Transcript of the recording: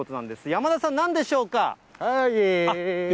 山田さん、なんでしょうか？